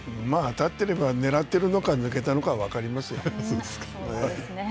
立ってればねらってるのか、抜けたのか分かりますよ。